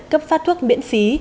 cấp phát thuốc miễn phí